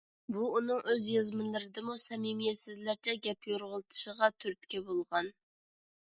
بۇ ئۇنىڭ ئۆز يازمىلىرىدىمۇ سەمىمىيەتسىزلەرچە گەپ يورغىلىتىشىغا تۈرتكە بولغان.